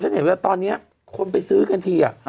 เห็นไหมตอนนี้คนไปซื้อกันที